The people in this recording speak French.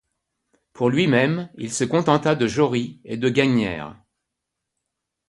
Pour lui-même, il se contenta de Jory et de Gagnière.